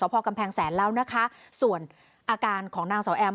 พอกำแพงแสนแล้วนะคะส่วนอาการของนางสาวแอม